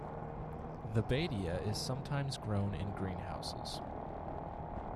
The badea is sometimes grown in greenhouses.